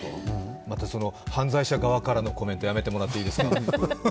犯罪者側からのコメントやめてもらっていいですか。